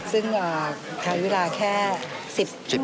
ซึ่งทางเวลาแค่๑๐ชั่วโมงครึ่ง